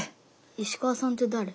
石川さんって誰？